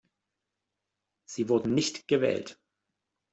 Sie wurden nicht gewählt.